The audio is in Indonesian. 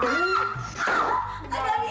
masuk berapa kali